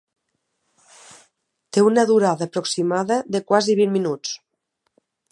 Té una durada aproximada de quasi vint minuts.